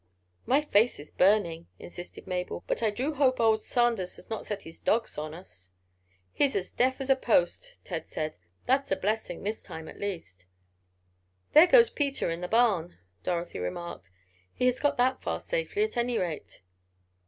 "My face is burning," insisted Mabel. "But I do hope old Sanders does not set his dogs on us." "He's as deaf as a post," Ted said. "That's a blessing—this time, at least." "There goes Peter in the barn," Dorothy remarked. "He has got that far safely, at any rate."